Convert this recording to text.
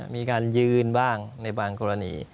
มีการยืนบ้างในบางกรณี